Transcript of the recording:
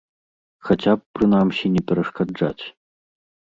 Хаця б, прынамсі, не перашкаджаць.